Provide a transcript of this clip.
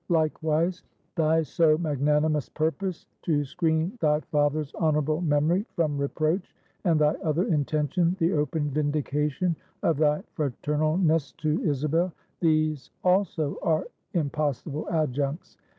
Likewise, thy so magnanimous purpose to screen thy father's honorable memory from reproach, and thy other intention, the open vindication of thy fraternalness to Isabel, these also are impossible adjuncts.